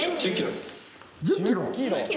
１０ｋｍ！？